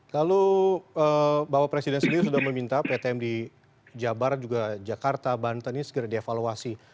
kalau bapak presiden sendiri sudah meminta ptm di jabar juga jakarta banten ini segera dievaluasi